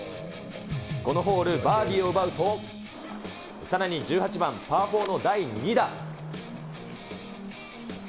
このホール、バーディーを奪うと、さらに１８番、パー４の第２打。